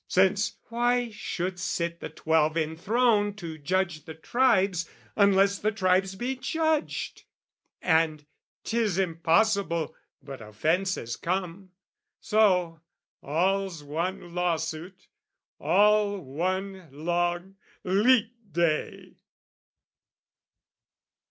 Since, why should sit the Twelve enthroned To judge the tribes, unless the tribes be judged? And 'tis impossible but offences come: So, all's one lawsuit, all one long leet day!